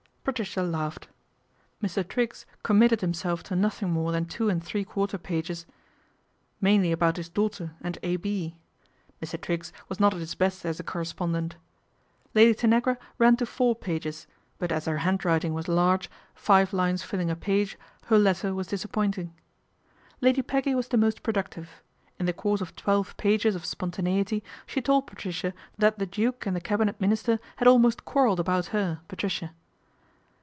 Patricia laughed. Mr. Triggs committed himself to nothing more than two and three quarter pages, mainly about his daughter and "A. B.," Mr. Triggs was not at his best as a correspondent. Lady Tanagra ran to four pages ; but as her handwriting was large, five lines filling a page, her letter was disappoint ing. Lady Peggy was the most productive. In the course of twelve pages of spontaneity she told Patricia that the Duke and the Cabinet Minister had almost quarrelled about her, Patricia.